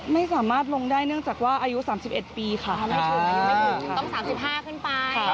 ไม่สามารห์ลงได้เนื่องจากว่าอายุ๓๑ปีค่ะ